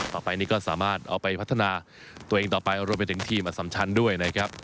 ต่อไปนี้ก็สามารถเอาไปพัฒนาตัวเองต่อไปรวมไปถึงทีมอสัมชันด้วยนะครับ